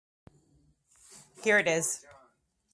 Here it is.